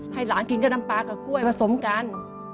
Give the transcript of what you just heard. ให้หลานกินก็น้ำปลากับกล้วยผสมกัน